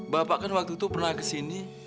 bapak kan waktu itu pernah kesini